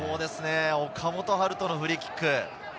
岡本温叶のフリーキック。